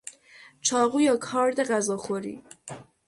چاقو یا کارد غذاخوری